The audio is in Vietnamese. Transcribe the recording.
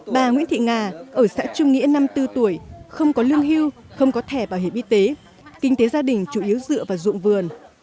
bà nguyễn thị nga ở xã trung nghĩa năm mươi bốn tuổi không có lương hưu không có thẻ bảo hiểm y tế kinh tế gia đình chủ yếu dựa vào dụng vườn